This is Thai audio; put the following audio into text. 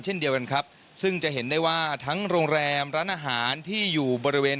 เช่นเดียวกันครับซึ่งจะเห็นได้ว่าทั้งโรงแรมร้านอาหารที่อยู่บริเวณ